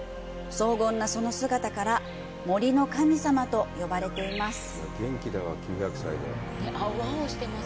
荘厳なその姿から、「森の神様」と呼ばれています。